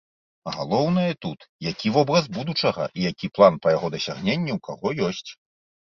Галоўнае тут, які вобраз будучага і які план па яго дасягненні ў каго ёсць.